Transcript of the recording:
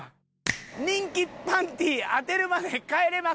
人気パンティー当てるまで帰れま３！！